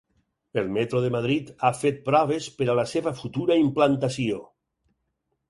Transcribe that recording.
El metro de Madrid ha fet proves per a la seva futura implantació.